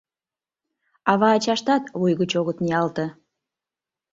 Ава-ачаштат вуй гыч огыт ниялте.